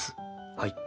はい。